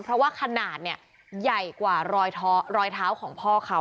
เพราะว่าขนาดเนี่ยใหญ่กว่ารอยเท้าของพ่อเขา